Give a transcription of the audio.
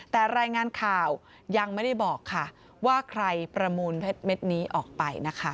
แต่รายงานข่าวยังไม่ได้บอกค่ะว่าใครประมูลเพชรเม็ดนี้ออกไปนะคะ